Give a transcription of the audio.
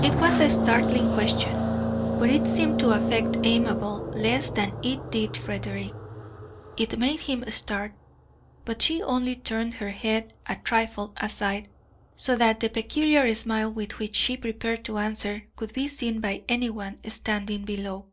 It was a startling question, but it seemed to affect Amabel less than it did Frederick. It made him start, but she only turned her head a trifle aside, so that the peculiar smile with which she prepared to answer could be seen by anyone standing below.